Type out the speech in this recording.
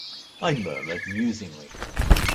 I murmured musingly.